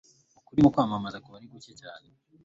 Ukuri mukwamamaza kuba ari guke cyane